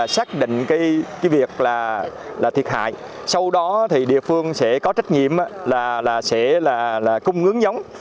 sau đó thì địa phương sẽ có trách nhiệm là sẽ là cung ứng giống